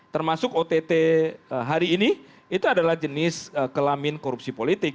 termasuk ott hari ini itu adalah jenis kelamin korupsi politik